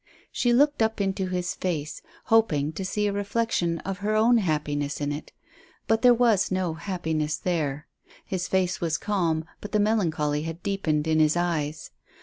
She looked up into his face, hoping to see a reflection of her own happiness in it. But there was no happiness there. His face was calm, but the melancholy had deepened in his eyes.